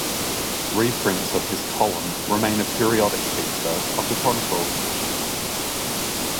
Reprints of his columns remain a periodic feature of the Chronicle.